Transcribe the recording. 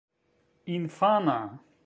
infana